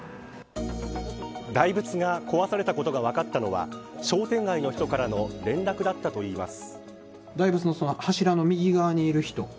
大仏が壊されたことが分かったのは商店街の人からの連絡だったといいます。